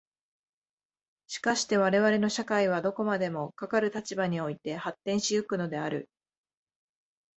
しかして我々の社会はどこまでもかかる立場において発展し行くのである。